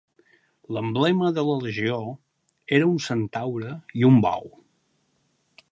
L'emblema de la legió era un centaure i un bou.